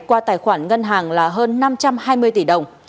qua tài khoản ngân hàng là hơn năm trăm hai mươi tỷ đồng